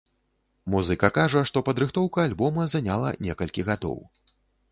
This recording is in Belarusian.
Музыка кажа, што падрыхтоўка альбома заняла некалькі гадоў.